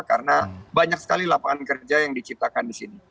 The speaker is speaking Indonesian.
karena banyak sekali lapangan kerja yang diciptakan di sini